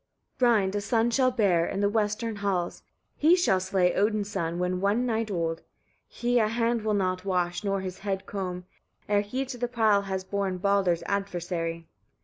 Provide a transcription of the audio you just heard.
16. "Rind a son shall bear, in the western halls: he shall slay Odin's son, when one night old. He a hand will not wash, nor his head comb, ere he to the pile has borne Baldr's adversary.